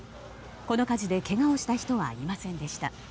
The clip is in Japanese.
この火事でけがをした人はいませんでした。